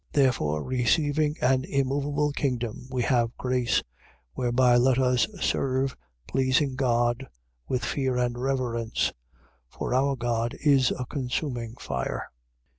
12:28. Therefore, receiving an immoveable kingdom, we have grace: whereby let us serve, pleasing God, with fear and reverence. 12:29. For our God is a consuming fire.